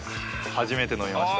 初めて飲みました。